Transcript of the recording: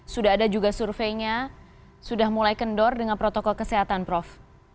sudah ada juga surveinya sudah mulai kendor dengan protokol kesehatan prof